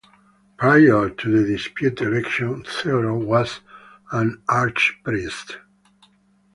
Prior to the disputed election, Theodore was an archpriest.